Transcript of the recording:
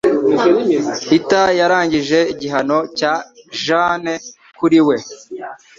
Peter yarangije igihano cya Jane kuri we